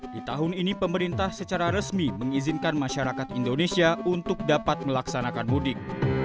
di tahun ini pemerintah secara resmi mengizinkan masyarakat indonesia untuk dapat melaksanakan mudik